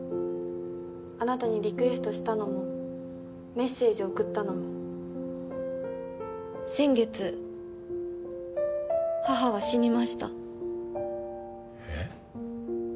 あなたにリクエストしたのもメッセージ送ったのも先月母は死にましたえ